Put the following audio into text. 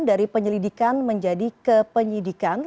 dari penyelidikan menjadi ke penyidikan